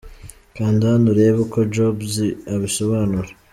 Kanda hano urebe uko Jobs abisobanura .